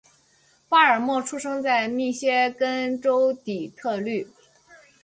巴尔默出生在密歇根州底特律。